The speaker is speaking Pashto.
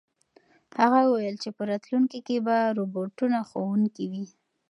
هغه وویل چې په راتلونکي کې به روبوټونه ښوونکي وي.